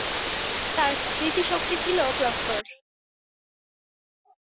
তার স্মৃতি শক্তি ছিল প্রখর।